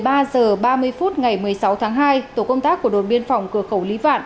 vào lúc ba mươi phút ngày một mươi sáu tháng hai tổ công tác của đồn biên phòng cửa khẩu lý vạn